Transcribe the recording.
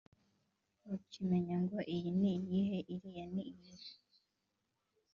ntukimenya ngo iyi ni iyihe iriya ni iyihe